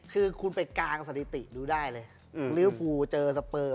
คือคุณเป็นกลางสถิติดูได้เลย